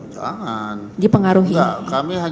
jangan dipengaruhi enggak kami